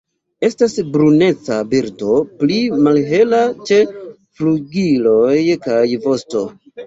Estas bruneca birdo pli malhela ĉe flugiloj kaj vosto.